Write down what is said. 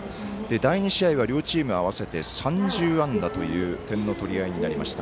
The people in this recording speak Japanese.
第２試合が両チーム合わせて３０安打という点の取り合いになりました。